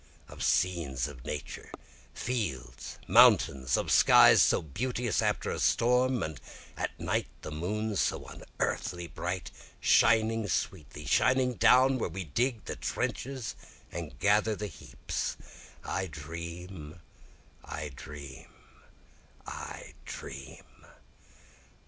Of scenes of Nature, fields and mountains, Of skies so beauteous after a storm, and at night the moon so unearthly bright, Shining sweetly, shining down, where we dig the trenches and gather the heaps, I dream, I dream, I dream.